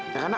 ya kan nak